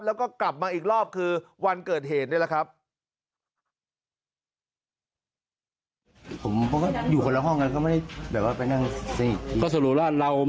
แล้วก็กลับมาอีกรอบคือวันเกิดเหตุนี่แหละครับ